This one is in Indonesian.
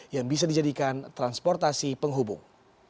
yang bisa dijadikan transportasi penghubung